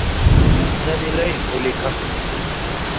مُسند الیہ ہو لکھہ